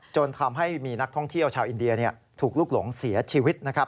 จนทำให้มีนักท่องเที่ยวชาวอินเดียถูกลูกหลงเสียชีวิตนะครับ